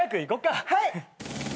はい！